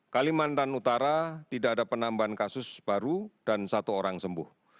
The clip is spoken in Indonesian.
kalimantan utara tidak ada penambahan kasus dan melaporkan tiga puluh sembuh